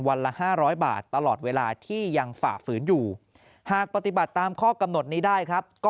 ละ๕๐๐บาทตลอดเวลาที่ยังฝ่าฝืนอยู่หากปฏิบัติตามข้อกำหนดนี้ได้ครับ